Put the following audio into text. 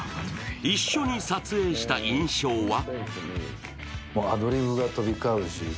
一緒に撮影した印象は？